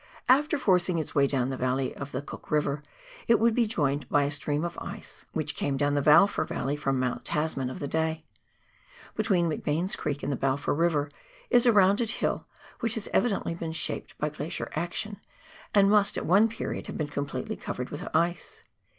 After forcing its way down the valley of Cook River it would be joined by a stream of ice which cume COOK RIVER AND ANCIENT GLACIERS. 155 down the Balfour Valley from the Mount Tasman of that day. Between McBain's Creek and the Balfour River is a rounded hill which has evidently been shaped by glacier action, and must at one period have been completely covered with ice.